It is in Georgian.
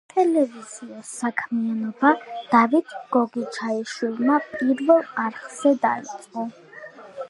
სატელევიზიო საქმიანობა დავით გოგიჩაიშვილმა „პირველი არხზე“ დაიწყო.